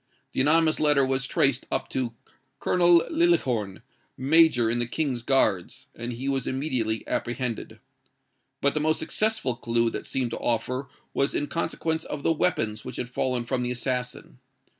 The anonymous letter was traced up to Colonel Liljehorn, Major in the King's Guards, and he was immediately apprehended. But the most successful clue that seemed to offer was in consequence of the weapons which had fallen from the assassin.